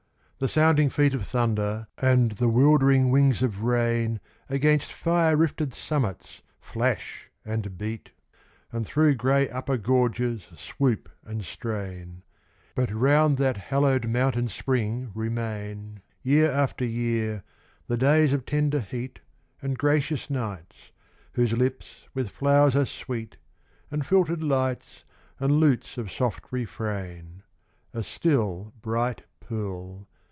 The sounding feet Of thunder and the 'wildering wings of rain Against fire rifted summits flash and beat, And through grey upper gorges swoop and strain; But round that hallowed mountain spring remain, Year after year, the days of tender heat, And gracious nights, whose lips with flowers are sweet, And filtered lights, and lutes of soft refrain. A still, bright pool.